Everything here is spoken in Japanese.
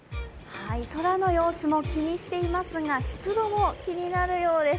空の様子も気にしていますが湿度も気になるようです。